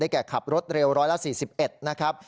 แก่ขับรถเร็ว๑๔๑นะครับ